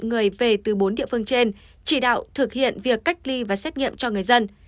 người về từ bốn địa phương trên chỉ đạo thực hiện việc cách ly và xét nghiệm cho người dân